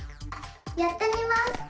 やってみます！